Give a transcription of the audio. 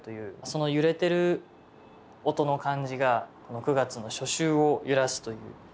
その揺れてる音の感じがこの９月の「初秋を揺らす」という。